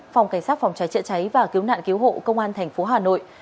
phòng cảnh sát phòng trái chữa cháy và cứu nạn cứu hộ công an tp hà nội